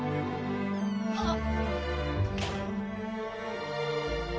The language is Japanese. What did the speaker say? あっ。